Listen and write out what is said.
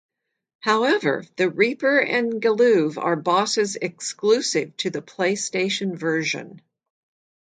However, the Reaper and Geluve are bosses exclusive to the PlayStation version.